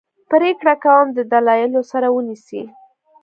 پرېکړه کوم دلایلو سره ونیسي.